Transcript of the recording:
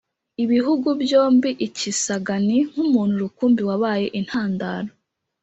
ibihugu byombi i kisangani nk’umuntu rukumbi wabaye intandaro